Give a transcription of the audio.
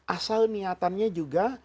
asal niatannya juga